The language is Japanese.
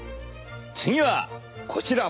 次はこちら。